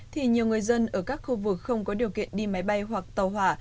thì nhiều người dân ở các khu vực không có điều kiện đi máy bay hoặc tàu hỏa